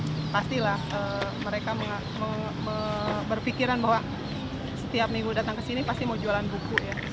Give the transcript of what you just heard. ya pastilah mereka berpikiran bahwa setiap minggu datang ke sini pasti mau jualan buku ya